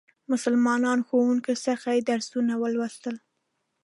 مسلمانو ښوونکو څخه یې درسونه ولوستل.